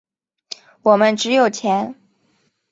我们只有钱。